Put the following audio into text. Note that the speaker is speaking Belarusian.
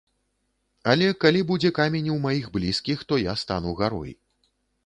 Але калі будзе камень у маіх блізкіх, то я стану гарой.